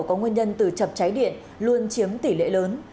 có nguyên nhân từ chập cháy điện luôn chiếm tỷ lệ lớn